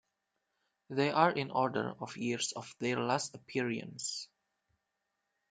They are in order of years of their last appearance.